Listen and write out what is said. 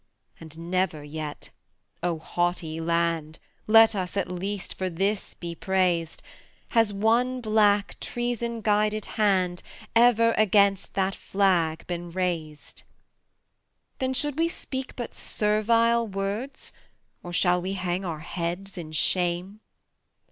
And never yet O haughty Land, Let us, at least, for this be praised Has one black, treason guided hand Ever against that flag been raised. Then should we speak but servile words, Or shall we hang our heads in shame?